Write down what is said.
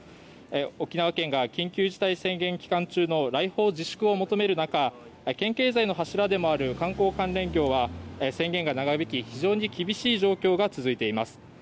沖縄県が緊急事態宣言期間中の来訪自粛を求める中、県経済の柱でもある観光関連業は宣言が長引き、非常に厳しい状況が続いています。